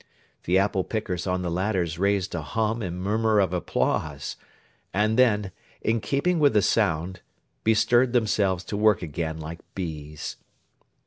The apple pickers on the ladders raised a hum and murmur of applause, and then, in keeping with the sound, bestirred themselves to work again like bees.